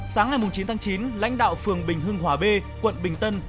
sáng ngày chín tháng chín lãnh đạo phường bình hưng hòa b quận bình tân